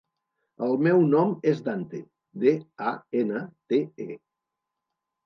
El meu nom és Dante: de, a, ena, te, e.